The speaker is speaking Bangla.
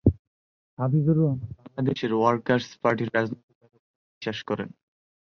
হাফিজুর রহমান বাংলাদেশ ওয়ার্কার্স পার্টির রাজনৈতিক আদর্শে বিশ্বাস করেন।